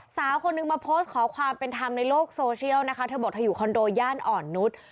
สาวคนนึงมาโพสต์ขอความเป็นธรรมในโลกโซเชียลนะคะเธอบอกเธออยู่คอนโดย่านอ่อนนุษย์